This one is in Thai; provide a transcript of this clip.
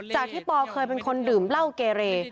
จากที่ปอเคยเป็นคนดื่มเหล้าเกเร